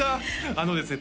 あのですね